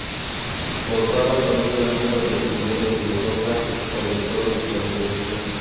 Contaba con un gran número de seguidores en Europa, sobre todo entre la juventud.